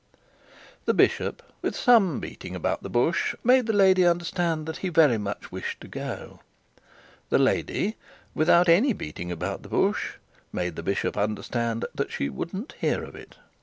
The bishop with some beating about the bush, made the lady understand that he very much wished to go. The lady, without any beating about the bush, made the bishop understand that she wouldn't hear of it.